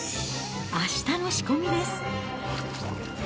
あしたの仕込みです。